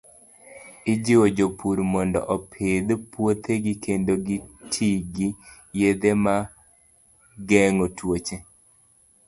Ijiwo jopur mondo opidh puothegi kendo giti gi yedhe ma geng'o tuoche.